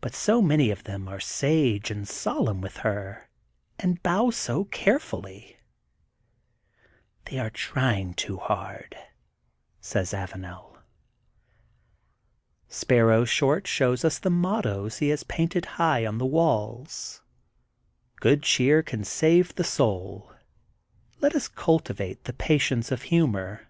But 80 206 THE GOLDEN BOOK OF SPRINGFIELD many of them are sage and solemn with her and bow so carefully I They are trying too hard,'* says AvaneL Sparrow Short shows us the mottoes he has painted high on the walls: ''Good Cheer Can Save the SouL*' Let us Cultivate the Patience of Humor.